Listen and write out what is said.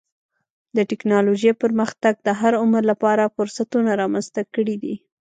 د ټکنالوجۍ پرمختګ د هر عمر لپاره فرصتونه رامنځته کړي دي.